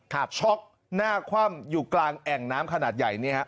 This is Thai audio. ช็อกหน้าคว่ำอยู่กลางแอ่งน้ำขนาดใหญ่เนี่ยฮะ